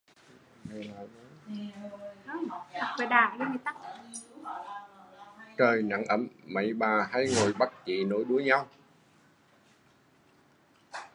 Trời nắng ấm, mấy bà hay ngồi bắt chí nối đuôi